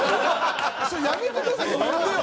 それやめてくださいよ。